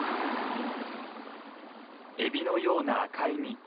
エビのような赤い身。